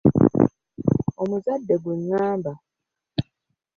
Omuzadde ggwe ngamba.